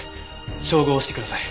照合してください。